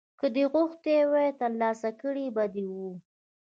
که دې غوښتي وای ترلاسه کړي به دې وو.